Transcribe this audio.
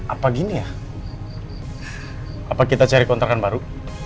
apa gini ya apa kita cari kontrakan baru